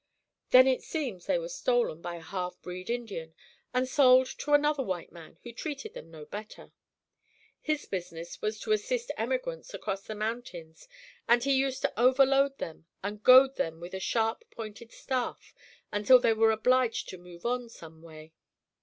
Then it seems they were stolen by a half breed Indian and sold to another white man, who treated them no better. His business was to assist emigrants across the mountains, and he used to overload them and goad them with a sharp pointed staff until they were obliged to move on, some way.